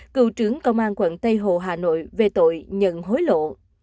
cựu trưởng công an quận tây hồ hà nội về tội nhận hối lộ